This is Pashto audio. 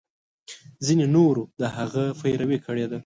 ځینو نورو د هغه پیروي کړې ده.